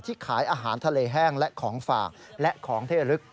ขายอาหารทะเลแห้งและของฝากและของเทรึก